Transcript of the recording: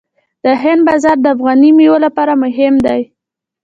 د هند بازار د افغاني میوو لپاره مهم دی.